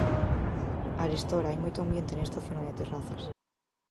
Arestora hai moito ambiente nesta zona de terrazas.